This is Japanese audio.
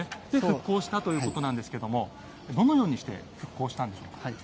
復興したということなんですけどどのようにして復興したんでしょうか。